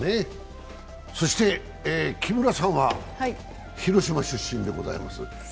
そして木村さんは広島出身でございます。